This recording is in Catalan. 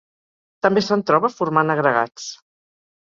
També se'n troba formant agregats.